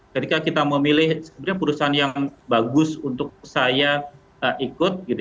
ketika kita memilih sebenarnya perusahaan yang bagus untuk saya ikut